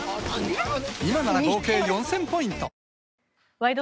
「ワイド！